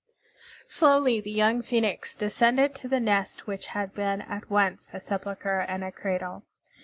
Slowly the young Phoenix descended to the nest which had been at once a sepulchre and a cradle.